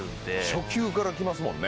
初球からきますもんね。